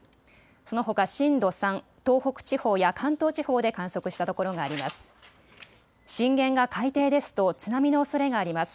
そのほか震度３、東北地方や関東地方で観測したところがあります。